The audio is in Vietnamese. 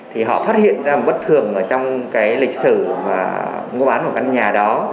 thì họ phát hiện ra bất thường ở trong cái lịch sử mà mua bán của căn nhà đó